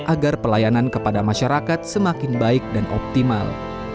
agar pelayanan kepada masyarakat semakin baik dan optimal